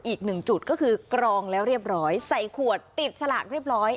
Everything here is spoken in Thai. อีกหนึ่งจุดก็คือกรองแล้วเรียบร้อยใส่ขวดติดสลากเรียบร้อย